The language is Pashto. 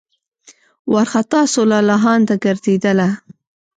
وارخطا سوه لالهانده ګرځېدله